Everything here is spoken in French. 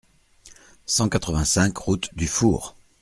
cent quatre-vingt-cinq route du Four